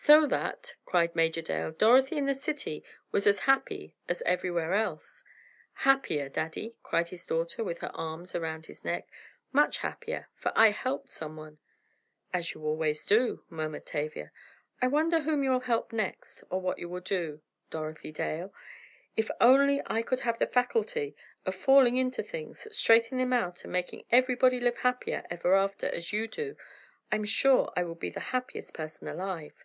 "So that," cried Major Dale, "Dorothy in the city was as happy as everywhere else!" "Happier, Daddy," cried his daughter, with her arms around his neck. "Much happier, for I helped someone." "As you always do," murmured Tavia. "I wonder whom you will help next; or what you will do? Dorothy Dale! If only I could have the faculty of falling into things, straightening them out, and making everybody live happier ever after, as you do, I'm sure I would be the happiest person alive."